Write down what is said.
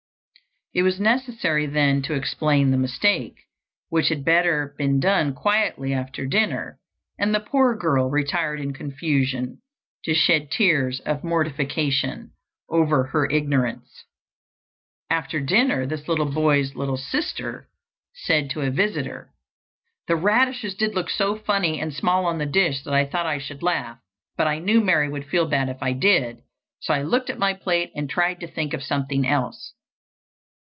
It was necessary then to explain the mistake, which had better been done quietly after dinner; and the poor girl retired in confusion to shed tears of mortification over her ignorance. After dinner this boy's little sister said to a visitor, "The radishes did look so funny and small on the dish that I thought I should laugh, but I knew Mary would feel bad if I did, so I looked at my plate and tried to think of something else."